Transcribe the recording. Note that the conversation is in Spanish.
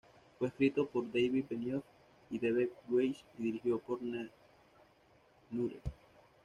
Fue escrito por David Benioff y D. B. Weiss, y dirigido por David Nutter.